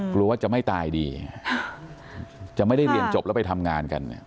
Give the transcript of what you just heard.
กลัวว่าจะไม่ตายดีจะไม่ได้เรียนจบแล้วไปทำงานกันเนี่ย